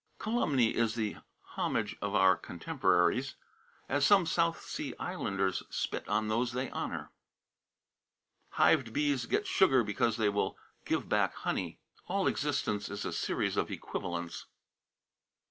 "Calumny is the homage of our contemporaries, as some South Sea Islanders spit on those they honor." "Hived bees get sugar because they will give back honey. All existence is a series of equivalents."